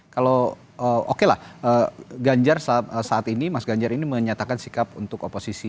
kalau oke lah ganjar saat ini mas ganjar ini menyatakan sikap untuk oposisi